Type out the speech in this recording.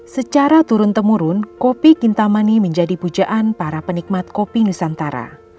secara turun temurun kopi kintamani menjadi pujaan para penikmat kopi nusantara